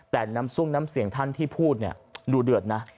แต่น้ำซุ่งน้ำเสียงท่านที่พูดเนี่ยดูเดือดนะ